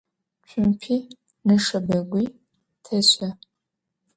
Çümpi neşşebegui teşe.